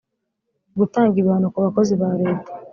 gutanga ibihano ku bakozi ba leta